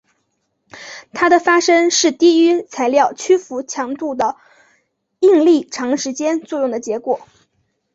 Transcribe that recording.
它的发生是低于材料屈服强度的应力长时间作用的结果。